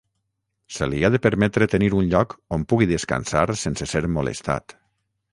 Se li ha de permetre tenir un lloc on pugui descansar sense ser molestat.